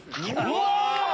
うわ！